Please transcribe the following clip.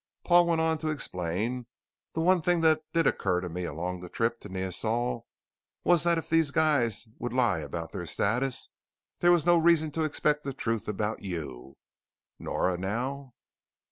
Paul went on to explain. "The one thing that did occur to me along the trip to Neosol was that if these guys would lie about their status, there was no reason to expect the truth about you. Nora now